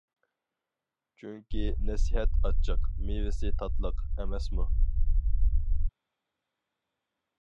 چۈنكى،« نەسىھەت ئاچچىق، مېۋىسى تاتلىق» ئەمەسمۇ؟!